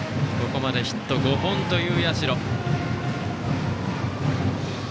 ここまでヒット５本という社。